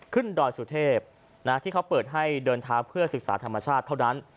ดอยสุเทพที่เขาเปิดให้เดินเท้าเพื่อศึกษาธรรมชาติเท่านั้น